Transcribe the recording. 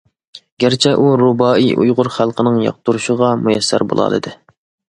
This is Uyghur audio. گەرچە ئۇ رۇبائىي ئۇيغۇر خەلقىنىڭ ياقتۇرۇشىغا مۇيەسسەر بولالىدى.